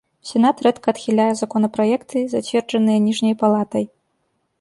Сенат рэдка адхіляе законапраекты, зацверджаныя ніжняй палатай.